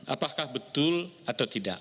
apakah betul atau tidak